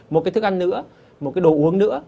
một cái thức ăn nữa một cái đồ uống nữa